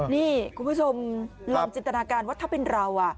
นี่คุณผู้ชมลองจินตนาการว่าถ้าเป็นเรา